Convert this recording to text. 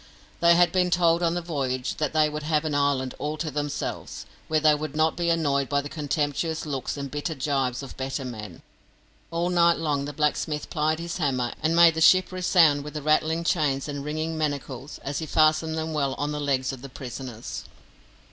They had been told on the voyage that they would have an island all to themselves, where they would not be annoyed by the contemptuous looks and bitter jibes of better men. All night long the blacksmith plied his hammer and made the ship resound with the rattling chains and ringing manacles, as he fastened them well on the legs of the prisoners.